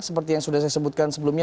seperti yang sudah saya sebutkan sebelumnya